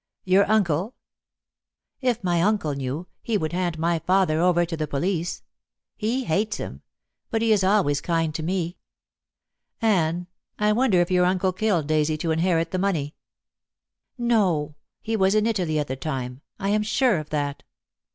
"Your uncle?" "If my uncle knew, he would hand my father over to the police. He hates him; but he is always kind to me." "Anne, I wonder if your uncle killed Daisy to inherit the money?" "No; he was in Italy at the time. I am sure of that."